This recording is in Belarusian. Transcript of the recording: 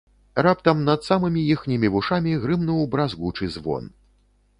Раптам над самымі іхнімі вушамі грымнуў бразгучы звон.